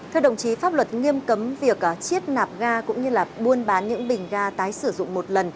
thưa đồng chí pháp luật nghiêm cấm việc chiết nạp ga cũng như buôn bán những bình ga tái sử dụng một lần